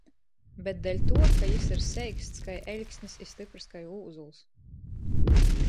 Bet deļtuo, ka jis ir seiksts kai eļksnis i styprys kai ūzuls.